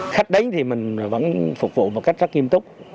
khách đến thì mình vẫn phục vụ một cách rất nghiêm túc